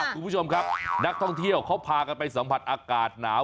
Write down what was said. คุณผู้ชมครับนักท่องเที่ยวเขาพากันไปสัมผัสอากาศหนาว